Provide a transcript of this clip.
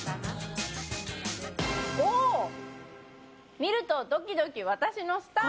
見るとドキドキ私のスター！